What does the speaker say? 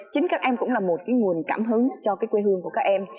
chính các em cũng là một nguồn cảm hứng cho quê hương của các em